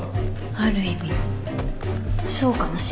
ある意味そうかもしれません。